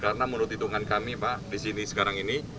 karena menurut hitungan kami pak di sini sekarang ini